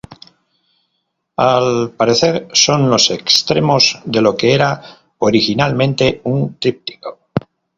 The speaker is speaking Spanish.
Al parecer son los extremos de lo que era originalmente un tríptico.